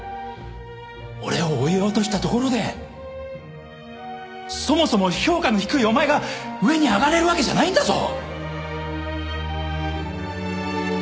俺を追い落としたところでそもそも評価の低いお前が上に上がれるわけじゃないんだぞ。